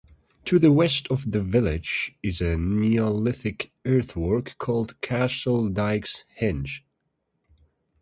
To the west of the village is a Neolithic earthwork called Castle Dykes Henge.